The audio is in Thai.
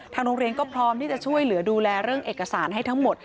โรงเรียนก็พร้อมที่จะช่วยเหลือดูแลเรื่องเอกสารให้ทั้งหมด